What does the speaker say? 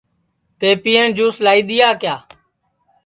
پئپین سُچ لائی دؔیا کیا